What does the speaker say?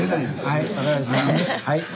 はい。